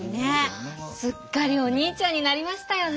すっかりおにいちゃんになりましたよね。